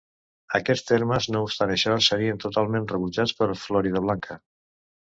Aquests termes, no obstant això, serien totalment rebutjats per Floridablanca.